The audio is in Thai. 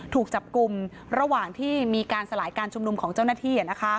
ถูกจับกลุ่มระหว่างที่มีการสลายการชุมนุมของเจ้าหน้าที่